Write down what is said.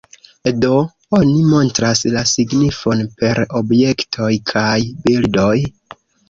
Do: oni montras la signifon per objektoj kaj bildoj.